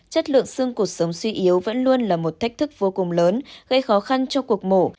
chất lượng xương cuộc sống suy yếu vẫn luôn là một thách thức vô cùng lớn gây khó khăn cho cuộc mổ